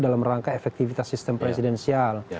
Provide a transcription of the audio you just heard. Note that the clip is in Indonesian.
dalam rangka efektivitas sistem presidensial